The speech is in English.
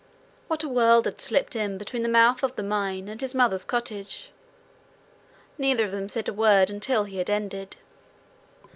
What a world had slipped in between the mouth of the mine and his mother's cottage! Neither of them said a word until he had ended.